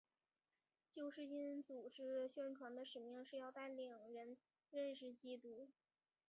救世军组织宣传的使命是要带领人认识基督。